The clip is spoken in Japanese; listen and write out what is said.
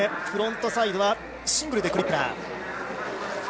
フロントサイドはシングルでクリップラー。